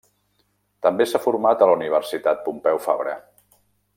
També s'ha format a la Universitat Pompeu Fabra.